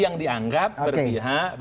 yang dianggap berpihak